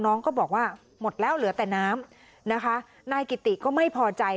น้องก็บอกว่าหมดแล้วเหลือแต่น้ำนะคะนายกิติก็ไม่พอใจ